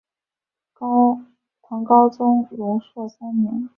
唐高宗龙朔三年。